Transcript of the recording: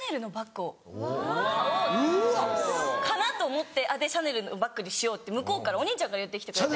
かなと思ってシャネルのバッグにしようってお兄ちゃんから言って来てくれて。